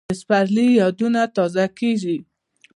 د سپرلي یادونه تازه کېږي